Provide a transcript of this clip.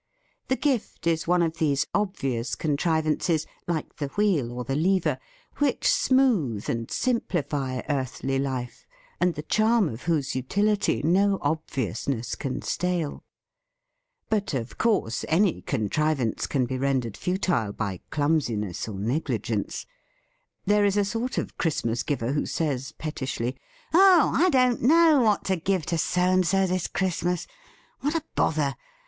The gift is one of these obvious con trivances — like the wheel or the lever — which smooth and simplify earthly life, and the charm of whose utility no ob viousness can stale. But of course any 142] THE FEAST OF ST FRIEND contrivance can be rendered futile by clumsiness or negligence. There is a sort of Christmas giver who says pet tishly: "Oh! I don't know what to give to So and So this Christmas! What a bother!